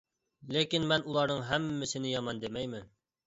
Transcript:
لېكىن مەن ئۇلارنىڭ ھەممىسىنى يامان دېمەيمەن.